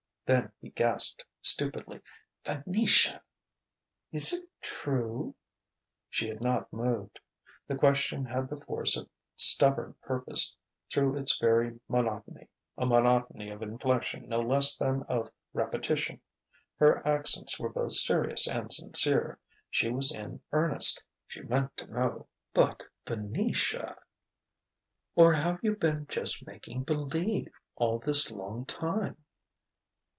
Then he gasped stupidly: "Venetia!" "Is it true?" She had not moved. The question had the force of stubborn purpose through its very monotony, a monotony of inflexion no less than of repetition. Her accents were both serious and sincere. She was in earnest; she meant to know. "But, Venetia " "Or have you been just making believe, all this long time?"